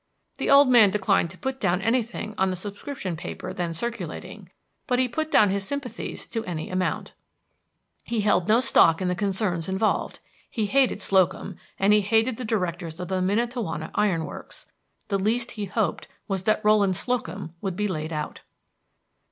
The old man declined to put down anything on the subscription paper then circulating; but he put down his sympathies to any amount. He held no stock in the concerns involved; he hated Slocum, and he hated the directors of the Miantowona Iron Works. The least he hoped was that Rowland Slocum would be laid out.